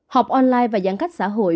học online và giãn cách xã hội